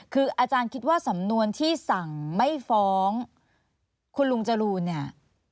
คืออาจารย์คิดว่าสำนวนที่สั่งไม่ฟ้องคุณลุงจรูนเนี่ย